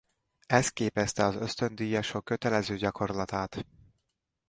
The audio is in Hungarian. Ez képezte az ösztöndíjasok kötelező gyakorlatát.